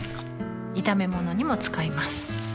炒め物にも使います